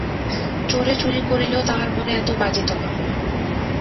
চোরে চুরি করিলেও তাহার মনে এত বাজিত না।